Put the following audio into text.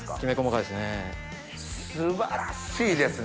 素晴らしいですね。